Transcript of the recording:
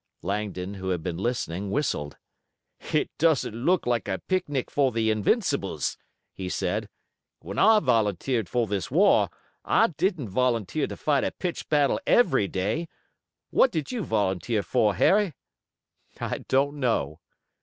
Langdon, who had been listening, whistled. "It doesn't look like a picnic for the Invincibles," he said. "When I volunteered for this war I didn't volunteer to fight a pitched battle every day. What did you volunteer for, Harry?" "I don't know."